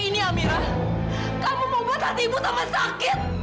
hai ini amira kamu mau buat hati ibu sama sakit